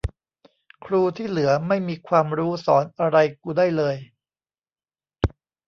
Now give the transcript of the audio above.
ครูที่เหลือไม่มีความรู้สอนอะไรกูได้เลย